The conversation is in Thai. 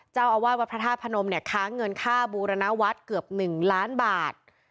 เจ้าอาวาตวรรภรทธาพแพนมเนี้ยค้าเงินค่าบูรณวัตรเกือบหนึ่งล้านบาท